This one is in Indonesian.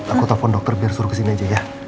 aku telepon dokter biar suruh kesini aja ya